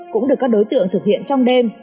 cũng được các đối tượng thực hiện trong đêm